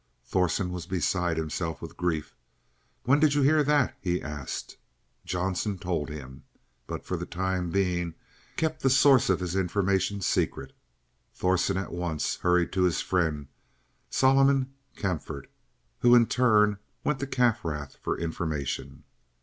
Thorsen was beside himself with grief. "When did you hear that?" he asked. Johnson told him, but for the time being kept the source of his information secret. Thorsen at once hurried to his friend, Solon Kaempfaert, who in turn went to Kaffrath for information.